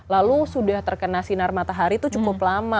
lalu sudah terkena sinar matahari itu cukup lama